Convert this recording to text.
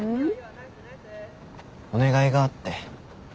お願いがあって。